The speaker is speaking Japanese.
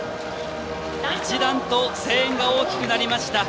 一段と声援が大きくなりました。